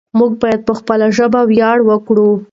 موږ بايد په خپله ژبه وياړ وکړو.